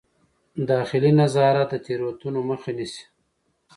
داخلي نظارت د تېروتنو مخه نیسي.